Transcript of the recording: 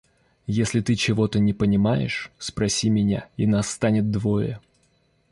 Если ты чего-то не понимаешь, спроси меня и нас станет двое.